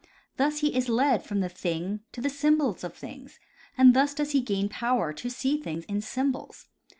Thus he is led from the things to the symbols of things, and thus does he gain power to see things in symbols.